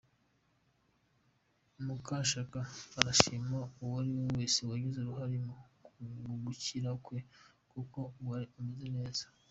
Mukashaka arashima uwari we wese wagize uruhare mu gukira kwe kuko ubu ameze neza.